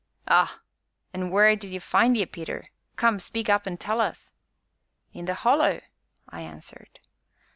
"Ah! an' wheer did 'e find ye, Peter? come, speak up an' tell us." "In the Hollow," I answered.